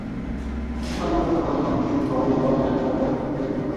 গতকাল বুধবার সকালে মামুনের মৃত্যুর খবরে জিন্দাবাজার এলাকায় জড়ো হয়ে ব্যবসায়ীরা বিক্ষোভ করেন।